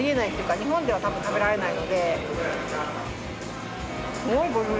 日本では多分食べられないので。